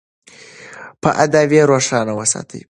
په ادب یې روښانه وساتئ.